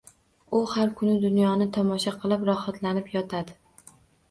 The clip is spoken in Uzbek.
U har kuni dunyoni tomosha qilib, rohatlanib yotadi